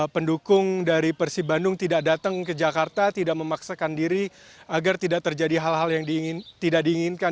pendukung dari persib bandung tidak datang ke jakarta tidak memaksakan diri agar tidak terjadi hal hal yang tidak diinginkan